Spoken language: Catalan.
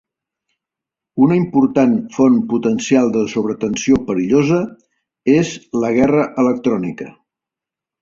Una important font potencial de sobretensió perillosa és la guerra electrònica.